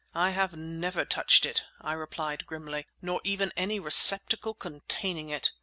"I have never touched it," I replied grimly; "nor even any receptacle containing it."